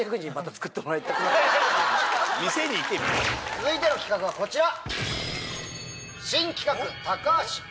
続いての企画はこちら！